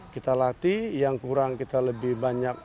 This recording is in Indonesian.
kita latih yang kurang kita lebih banyak